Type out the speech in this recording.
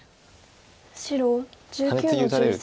白１９の十三。